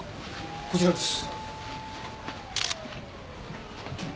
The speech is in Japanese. こちらです。